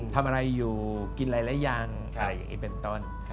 ทำอะไรอยู่กินอะไรหรือยังอะไรอย่างนี้เป็นต้น